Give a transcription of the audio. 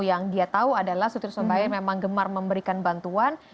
yang dia tahu adalah sutris sobaya memang gemar memberikan bantuan